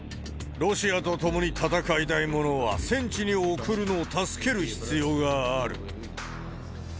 ロシアと共に戦いたい者は、戦地に送るのを助ける必要がある。